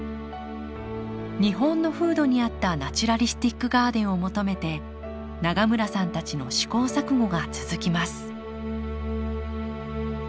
日本の風土に合ったナチュラリスティックガーデンを求めて永村さんたちの試行錯誤が続きます